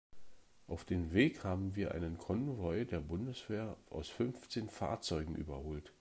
Auf dem Weg haben wir einen Konvoi der Bundeswehr aus fünfzehn Fahrzeugen überholt.